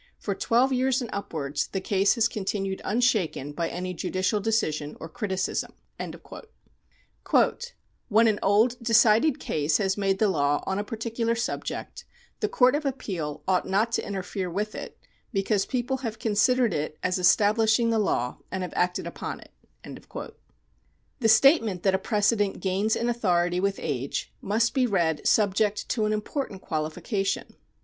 For twelve years and upwards the case has continued unshaken by any judicial decision or criticism." ^" When an old decided case has made the law on a particular subject, the Court of Appeal ought not to interfere with it, because people have considered it as establishing the law and have acted upon it." ^ The statement that a precedent gains in authority with age must be read subject to an important qualification.